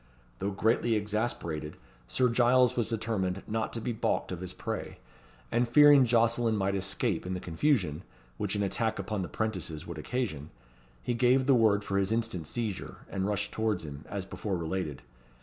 Though greatly exasperated, Sir Giles was determined not to be baulked of his prey; and fearing Jocelyn might escape in the confusion, which an attack upon the 'prentices would occasion, he gave the word for his instant seizure, and rushed towards him, as before related.